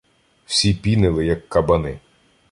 Всі пінили, як кабани.